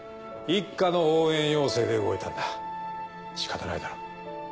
一課の応援要請で動いたんだ仕方ないだろ。